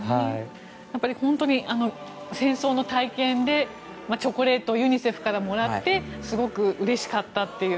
本当に、戦争の体験でチョコレートをユニセフからもらってすごくうれしかったと。